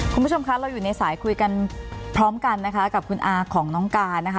คุณผู้ชมคะเราอยู่ในสายคุยกันพร้อมกันนะคะกับคุณอาของน้องการนะคะ